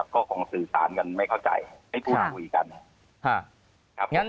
ก็คงสื่อสารกันไม่เข้าใจไม่พูดถูกอย่างอีกกัน